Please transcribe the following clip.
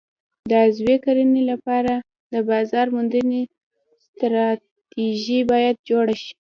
د عضوي کرنې لپاره د بازار موندنې ستراتیژي باید جوړه شي.